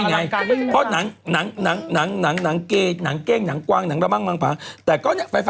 มีโอกาสหายจากการไปกับเธอได้